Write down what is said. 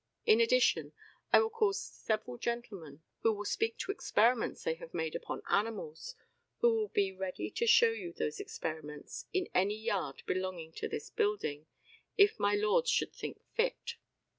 In addition, I will call several gentlemen who will speak to experiments they have made upon animals, and who will be ready to show you those experiments in any yard belonging to this building, if my lords should think fit.